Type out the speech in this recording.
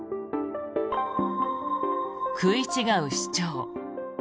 食い違う主張。